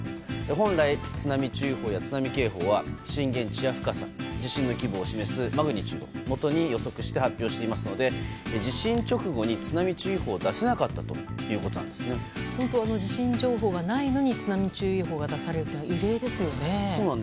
本来、津波注意報や津波警報は震源地は深さ、地震の規模を示すマグニチュードをもとに予測して発表していますので地震直後に津波注意報を地震情報がないのに津波注意報が出されるというのは異例ですよね。